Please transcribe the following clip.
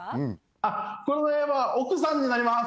あっこれは奥さんになります。